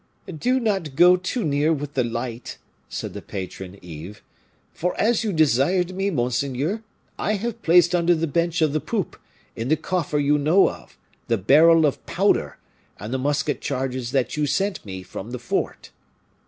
"Do not go too near with the light," said the patron Yves; "for as you desired me, monseigneur, I have placed under the bench of the poop, in the coffer you know of, the barrel of powder, and the musket charges that you sent me from the fort."